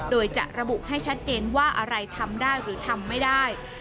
โดยจะระบุให้ชัดเจนว่าอะไรทำได้หรือทำไม่ได้